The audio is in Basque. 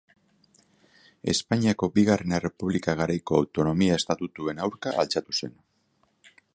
Espainiako Bigarren Errepublika garaiko autonomia estatutuen aurka altxatu zen.